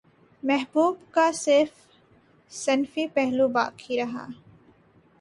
محبوب کا صرف صنفی پہلو باقی رہا